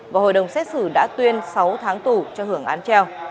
và hội đồng xét xử đã tuyên sáu tháng tù cho hưởng án treo